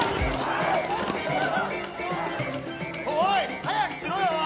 おい早くしろよ！